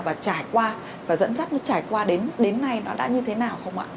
và trải qua và dẫn dắt nó trải qua đến nay nó đã như thế nào không ạ